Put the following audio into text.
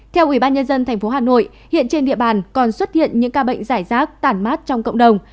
theo ủy ban nhân dân tp hà nội hiện trên địa bàn còn xuất hiện những ca bệnh giải rác tản mát trong cộng đồng